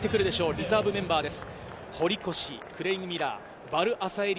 リザーブメンバーです。